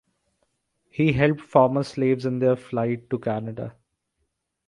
He helped former slaves in their flight to Canada.